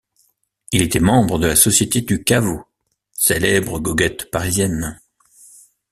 Il était membre de la Société du Caveau, célèbre goguette parisienne.